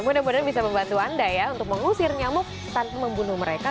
mudah mudahan bisa membantu anda ya untuk mengusir nyamuk tanpa membunuh mereka